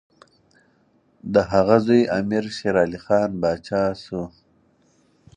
د هغه زوی امیر شېرعلي خان پاچا شو.